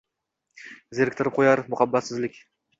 Zeriktirib qo’yar muhabbatsizlik.